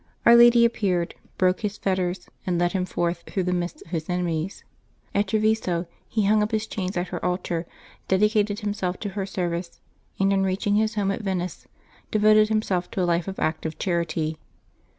Our Lady appeared, broke his fetters, and led him forth through the midst of his enemies. At Treviso he hung up his chains at her altar, dedicated himself to her service, and on reaching his home at Venice devoted himself to a life of active charity.